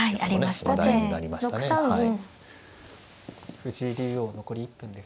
藤井竜王残り１分です。